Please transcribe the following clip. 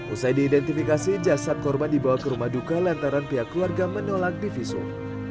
usai diidentifikasi jasad korban dibawa ke rumah duka lantaran pihak keluarga menolak divisum